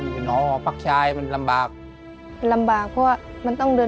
และกับผู้จัดการที่เขาเป็นดูเรียนหนังสือ